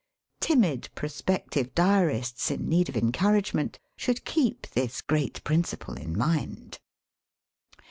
Timid prospective diarists in need of encauragement should keep this great principle in mind.